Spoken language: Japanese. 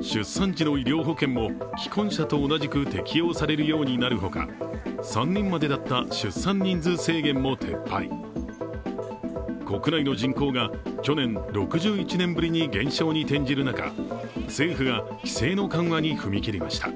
出産時の医療保険も、既婚者と同じく適用されるようになれるほか３人までだった出産人数制限も撤廃国内の人口が去年６１年ぶりに減少に転じる中、政府が規制の緩和に踏み切りました。